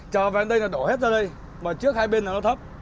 trở về đây là đổ hết ra đây mà trước hai bên là nó thấp